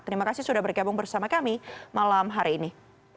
terima kasih sudah bergabung bersama kami malam hari ini